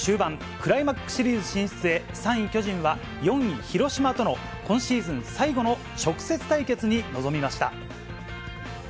クライマックスシリーズ進出へ、３位巨人は４位広島との今シーズン最後の直接対決に臨みました。